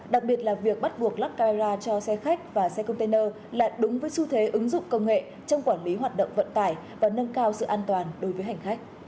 đặc biệt là việc bắt buộc lắp camera cho xe khách và xe container là đúng với xu thế ứng dụng công nghệ trong quản lý hoạt động vận tải và nâng cao sự an toàn đối với hành khách